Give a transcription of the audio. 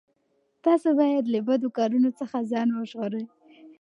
تاسو باید له بدو کارونو څخه ځان وژغورئ.